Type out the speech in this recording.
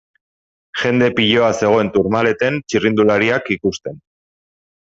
Jende piloa zegoen Tourmaleten txirrindulariak ikusten.